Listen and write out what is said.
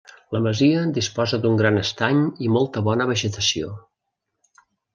La masia disposa d’un gran estany i molt bona vegetació.